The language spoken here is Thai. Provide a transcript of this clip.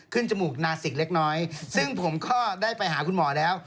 จมูกนาสิกเล็กน้อยซึ่งผมก็ได้ไปหาคุณหมอแล้ว